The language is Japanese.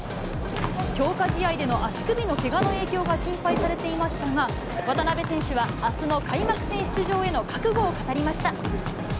強化試合での足首のけがの影響が心配されていましたが、渡邊選手はあすの開幕戦出場への覚悟をかたりました。